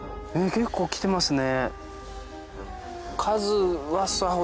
結構来てますね。